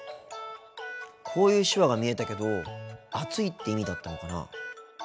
こういう手話が見えたけど暑いって意味だったのかな。